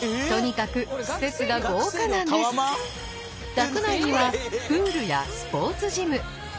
学内にはプールやスポーツジム。